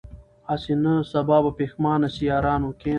هسي نه سبا پښېمانه سی یارانو